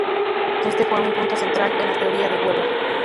Este fue un punto central en la teoría de Weber".